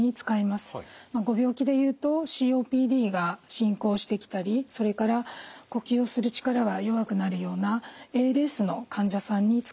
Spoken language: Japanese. ご病気で言うとＣＯＰＤが進行してきたりそれから呼吸する力が弱くなるようなＡＬＳの患者さんに使います。